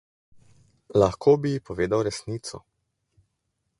Lahko bi ji povedal resnico.